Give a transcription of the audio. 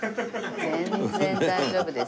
全然大丈夫です。